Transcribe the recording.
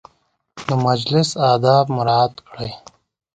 د مجلس اداب مراعت کړئ